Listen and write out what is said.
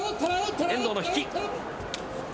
遠藤の引き。